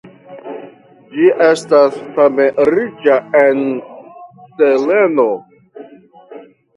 Ĝi estas same riĉa en seleno.